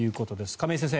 亀井先生